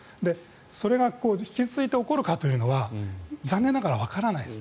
それが引き続いて起こるかというのは残念ながらわからないです。